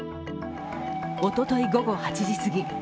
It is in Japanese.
おととい午後８時すぎ